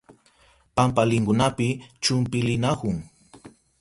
Pampalinkunapi chumpilinahun.